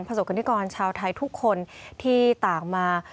สกรณิกรชาวไทยทุกคนที่ต่างมา